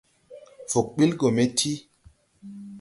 Fug ɓil gɔ me ti.